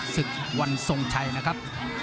ศึกวันทรงชัยนะครับ